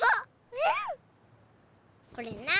うん？